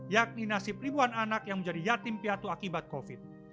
yakni nasib ribuan anak yang menjadi yatim piatu akibat covid